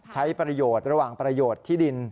ใช้ประโยชน์ระหว่างประโยชน์ที่ดิน